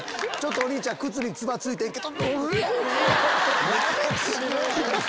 お兄ちゃん靴にツバついてんけど。